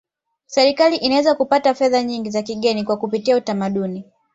serikali inaweza kupata fedha nyingi za kigeni kwa kupitia utamaduni